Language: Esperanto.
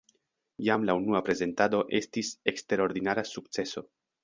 Jam la unua prezentado estis eksterordinara sukceso.